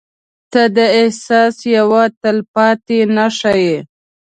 • ته د احساس یوه تلپاتې نښه یې.